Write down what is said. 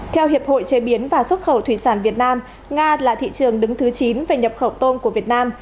theo hiệp hội chế biến và xuất khẩu thủy sản việt nam nga là thị trường đứng thứ chín về nhập khẩu tôm của việt nam